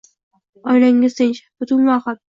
Oilangiz tinch, butun va ahil.